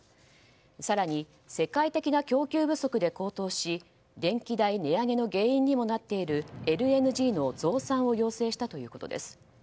更に、世界的な供給不足で高騰し電気代値上げの原因にもなっているＬＮＧの増産を要請したということです。